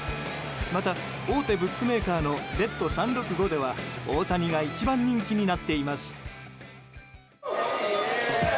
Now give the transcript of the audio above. また、大手ブックメーカーのベット３６５では大谷が一番人気になっています。